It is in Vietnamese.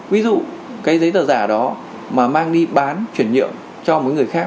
ví dụ cái giấy tờ giả đó mà mang đi bán chuyển nhượng cho một người khác